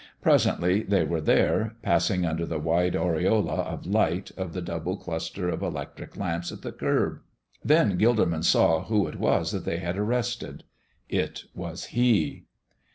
Presently they were there, passing under the wide aureola of light of the double cluster of electric lamps at the curb. Then Gilderman saw who it was that they had arrested it was He.